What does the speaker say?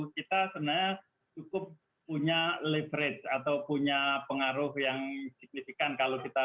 kita sebenarnya cukup punya leverage atau punya pengaruh yang signifikan kalau kita